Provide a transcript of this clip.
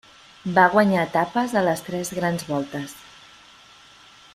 Va guanyar etapes a les tres grans voltes.